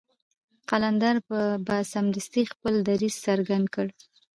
قلندر به سمدستي خپل دريځ څرګند کړ.